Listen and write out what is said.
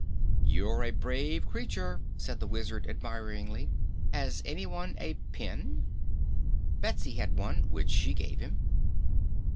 "You're a brave creature," said the Wizard admiringly. "Has anyone a pin?" Betsy had one, which she gave him.